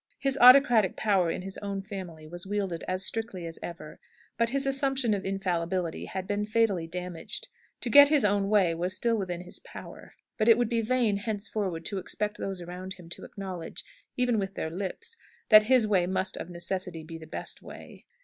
His autocratic power in his own family was wielded as strictly as ever, but his assumption of infallibility had been fatally damaged. To get his own way was still within his power, but it would be vain henceforward to expect those around him to acknowledge even with their lips that his way must of necessity be the best way.